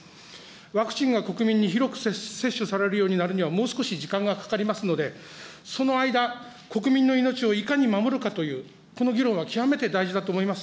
ワクチンが国民に広く接種されるようになるには、もう少し時間がかかりますので、その間、国民の命をいかに守るかという、この議論が極めて大事だと思います。